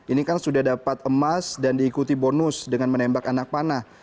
ini kan sudah dapat emas dan diikuti bonus dengan menembak anak panah